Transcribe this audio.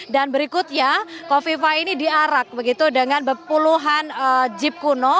dan berikutnya kofifah ini diarak dengan berpuluhan jib kuno